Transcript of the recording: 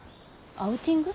アウティング？